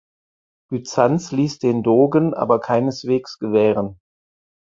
Byzanz ließ den Dogen aber keineswegs gewähren.